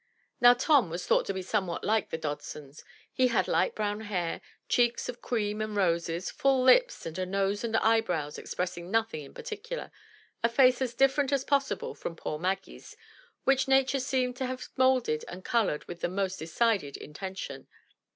Now Tom was thought to be somewhat like the Dodsons, — ^he had light brown hair, cheeks of cream and roses, full lips and a nose and eyebrows expressing nothing in particular, a face as different as possible from poor Maggie*s, which Nature seemed to have moulded and colored with the most decided intention.